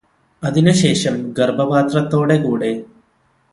അതിനു ശേഷം ഗര്ഭപാത്ത്രത്തോടെ കൂടെ